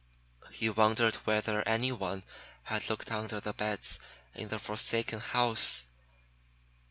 He wondered whether anyone had looked under the beds in the forsaken house.